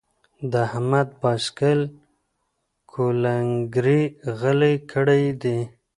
د احمد باسکل کونګري غلي کړي دي.